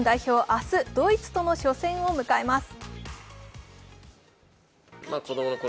明日、ドイツとの初戦を迎えます。